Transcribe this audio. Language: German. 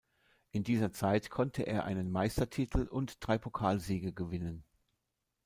In dieser Zeit konnte er einen Meistertitel und drei Pokalsiege gewinnen.